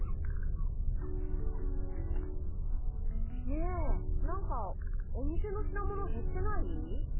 ねえなんかお店の品物へってない？